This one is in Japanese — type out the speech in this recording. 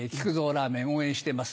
ラーメン応援してます。